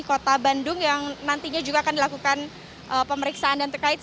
kota bandung yang nantinya juga akan dilakukan pemeriksaan dan terkait